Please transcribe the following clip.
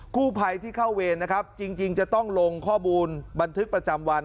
กู้ภัยที่เข้าเวรนะครับจริงจะต้องลงข้อมูลบันทึกประจำวัน